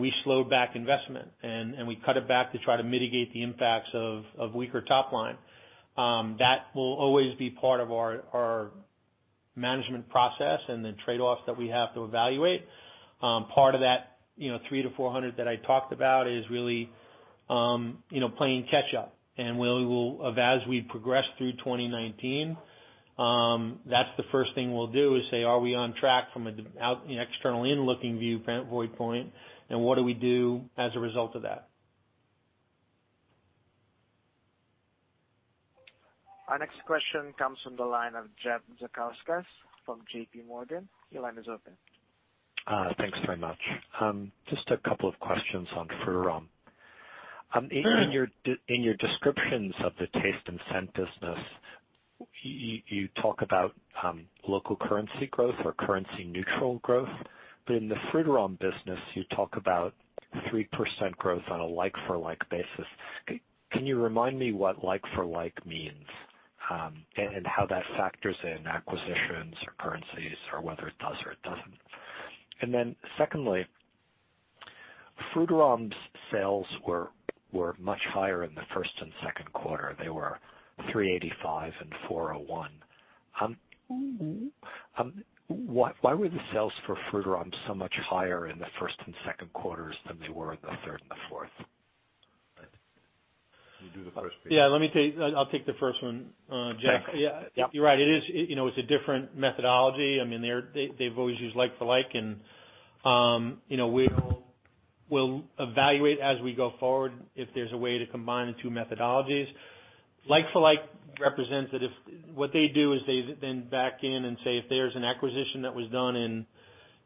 we slowed back investment, and we cut it back to try to mitigate the impacts of weaker top line. That will always be part of our management process and the trade-offs that we have to evaluate. Part of that 3 to 400 that I talked about is really playing catch up. As we progress through 2019, that's the first thing we'll do is say, are we on track from an external in-looking viewpoint, and what do we do as a result of that? Our next question comes from the line of Jeffrey Zekauskas from J.P. Morgan. Your line is open. Thanks very much. Just a couple of questions on Frutarom. In your descriptions of the taste and scent business, you talk about local currency growth or currency neutral growth. In the Frutarom business, you talk about 3% growth on a like for like basis. Can you remind me what like for like means, and how that factors in acquisitions or currencies or whether it does or it doesn't? Secondly, Frutarom's sales were much higher in the first and second quarter. They were $385 and $401. Why were the sales for Frutarom so much higher in the first and second quarters than they were in the third and the fourth? You do the first piece. Yeah. I'll take the first one, Jeff. Thanks. Yeah. You're right. It's a different methodology. They've always used like for like. We'll evaluate as we go forward if there's a way to combine the two methodologies. Like for like represents what they do is they then back in and say, if there's an acquisition that was done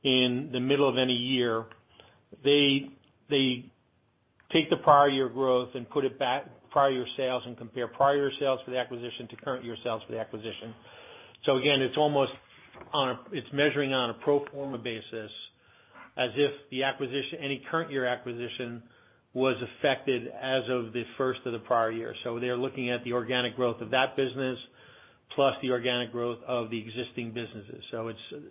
in the middle of any year, they take the prior year growth and put it back prior year sales and compare prior year sales for the acquisition to current year sales for the acquisition. Again, it's measuring on a pro forma basis as if any current year acquisition was affected as of the first of the prior year. They're looking at the organic growth of that business plus the organic growth of the existing businesses.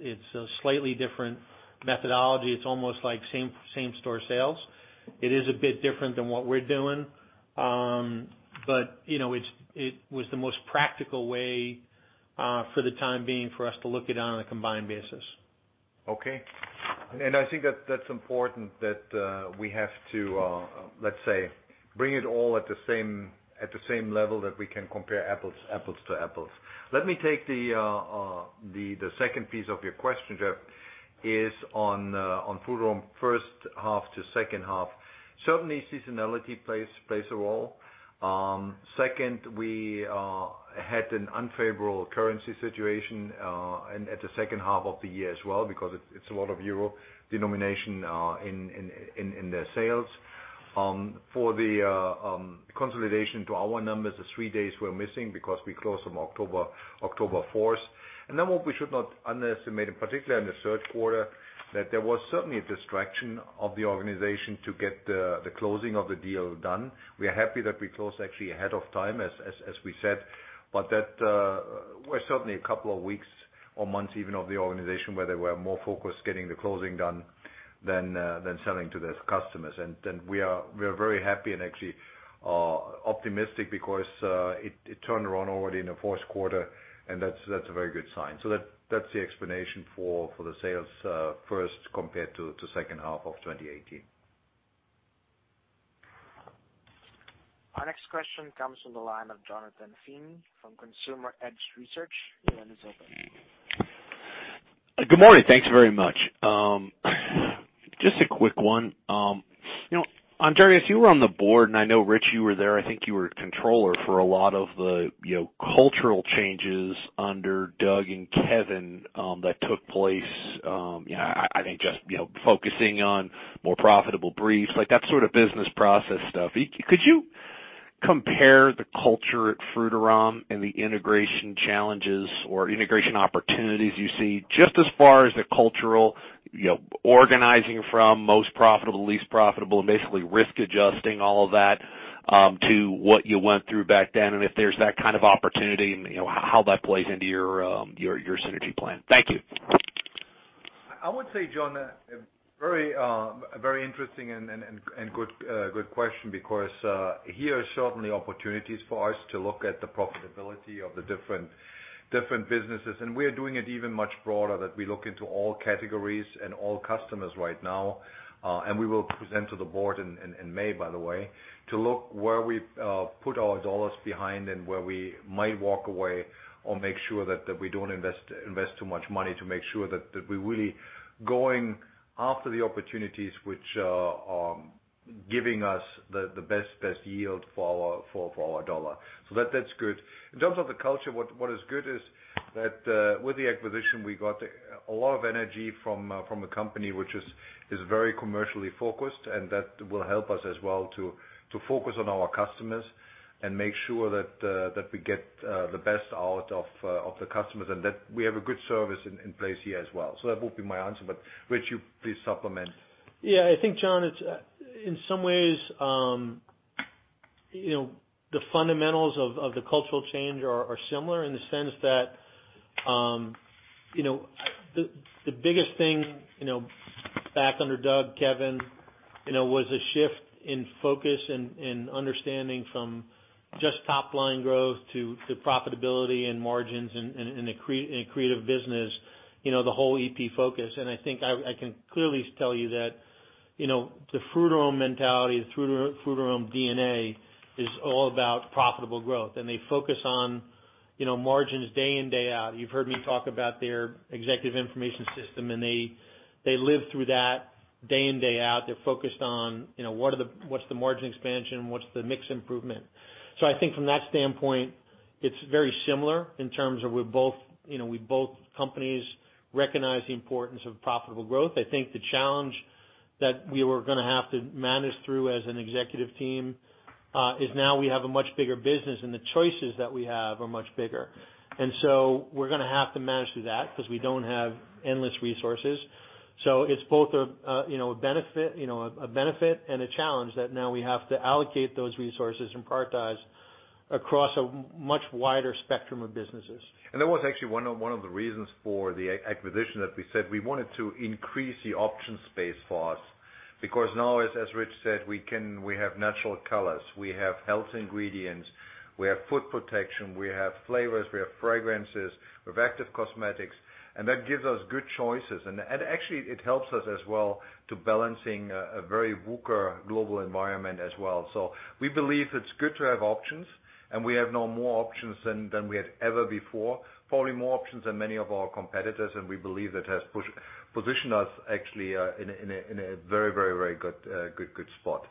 It's a slightly different methodology. It's almost like same store sales. It is a bit different than what we're doing. It was the most practical way, for the time being, for us to look it on a combined basis. Okay. I think that's important that we have to, let's say, bring it all at the same level that we can compare apples to apples. Let me take the second piece of your question, Jeff, is on Frutarom first half to second half. Certainly, seasonality plays a role. Second, we had an unfavorable currency situation at the second half of the year as well because it's a lot of EUR denomination in their sales. For the consolidation to our numbers, the 3 days we're missing because we closed on October 4. What we should not underestimate, and particularly in the third quarter, that there was certainly a distraction of the organization to get the closing of the deal done. We are happy that we closed actually ahead of time, as we said, that were certainly a couple of weeks or months even of the organization where they were more focused getting the closing done than selling to the customers. We are very happy and actually optimistic because it turned around already in the fourth quarter, and that's a very good sign. That's the explanation for the sales first compared to second half of 2018. Our next question comes from the line of Jonathan Feeney from Consumer Edge Research. Your line is open. Good morning. Thanks very much. Just a quick one. Andreas, you were on the board, and I know, Rich, you were there. I think you were controller for a lot of the cultural changes under Doug and Kevin that took place. I think just focusing on more profitable briefs, like that sort of business process stuff. Could you compare the culture at Frutarom and the integration challenges or integration opportunities you see just as far as the cultural organizing from most profitable to least profitable, and basically risk adjusting all of that to what you went through back then, and if there's that kind of opportunity, and how that plays into your synergy plan? Thank you. I would say, Jon, a very interesting and good question because here are certainly opportunities for us to look at the profitability of the different businesses. We are doing it even much broader, that we look into all categories and all customers right now. We will present to the board in May, by the way, to look where we put our dollars behind and where we might walk away or make sure that we don't invest too much money to make sure that we're really going after the opportunities which are giving us the best yield for our dollar. That's good. In terms of the culture, what is good is that with the acquisition, we got a lot of energy from a company which is very commercially focused, and that will help us as well to focus on our customers and make sure that we get the best out of the customers and that we have a good service in place here as well. That would be my answer, Rich, you please supplement. I think, Jon, in some ways, the fundamentals of the cultural change are similar in the sense that the biggest thing back under Doug, Kevin, was a shift in focus and understanding from just top-line growth to profitability and margins and accreative business the whole EP focus. I think I can clearly tell you that the Frutarom mentality, the Frutarom DNA is all about profitable growth, and they focus on margins day in, day out. You've heard me talk about their executive information system, and they live through that day in, day out. They're focused on what's the margin expansion, what's the mix improvement. I think from that standpoint, it's very similar in terms of both companies recognize the importance of profitable growth. I think the challenge that we were going to have to manage through as an executive team is now we have a much bigger business, and the choices that we have are much bigger. We're going to have to manage through that because we don't have endless resources. It's both a benefit and a challenge that now we have to allocate those resources and prioritize across a much wider spectrum of businesses. That was actually one of the reasons for the acquisition that we said we wanted to increase the option space for us, because now, as Rich said, we have natural colors, we have health ingredients, we have food protection, we have flavors, we have fragrances, we have active cosmetics, and that gives us good choices. Actually, it helps us as well to balancing a very volatile global environment as well. We believe it's good to have options, and we have now more options than we had ever before, probably more options than many of our competitors, and we believe that has positioned us actually in a very good spot.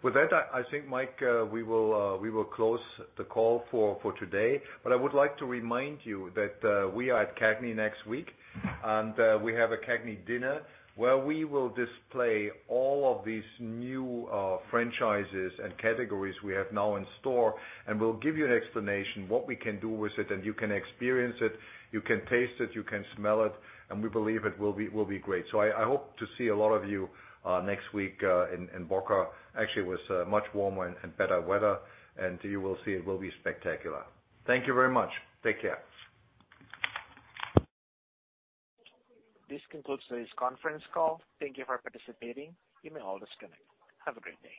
With that, I think, Mike, we will close the call for today. I would like to remind you that we are at CAGNY next week, and we have a CAGNY dinner where we will display all of these new franchises and categories we have now in store, and we'll give you an explanation what we can do with it, and you can experience it, you can taste it, you can smell it, and we believe it will be great. I hope to see a lot of you next week in Boca, actually with much warmer and better weather. You will see it will be spectacular. Thank you very much. Take care. This concludes today's conference call. Thank you for participating. You may all disconnect. Have a great day.